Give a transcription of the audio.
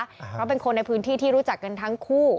เพราะเป็นคนในพื้นที่ที่รู้จักกันทั้งคู่